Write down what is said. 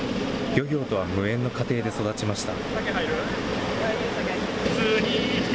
漁業とは無縁の家庭で育ちました。